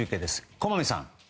駒見さん。